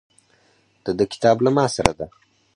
د ده کتاب له ماسره ده.